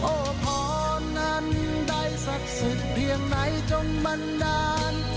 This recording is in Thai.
โอ้ผ่อนั้นได้สักสุดเพียงไหนจนมันดาน